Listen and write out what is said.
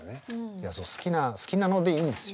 いや好きな好きなのでいいんですよ。